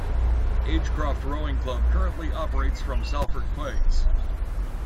Agecroft Rowing Club currently operates from Salford Quays.